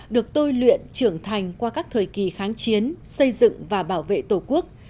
được tôi luyện trưởng thành qua các thời kỳ kháng chiến xây dựng và bảo vệ tổ quốc